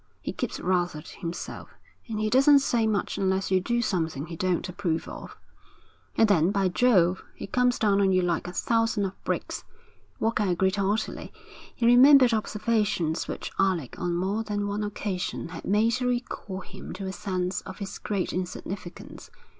He keeps rather to himself, and he doesn't say much unless you do something he don't approve of.' 'And then, by Jove, he comes down on you like a thousand of bricks,' Walker agreed heartily. He remembered observations which Alec on more than one occasion had made to recall him to a sense of his great insignificance.